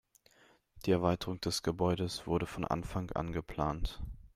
Die Erweiterung des Gebäudes wurde von Anfang an geplant.